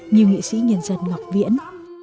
như nghị sĩ nhân dân ngọc viễn